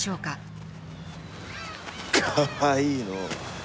かわいいのう。